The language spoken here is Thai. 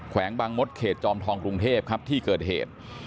วงบางมดเขตจอมทองกรุงเทพครับที่เกิดเหตุ